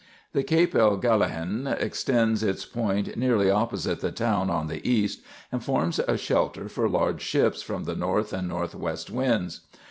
The Cape el Galahen extends its point nearly opposite the town on the east, and forms a shelter for large ships from the north and north west winds.